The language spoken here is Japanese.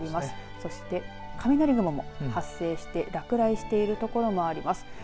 そして、雷雲も発生して落雷している所もあります。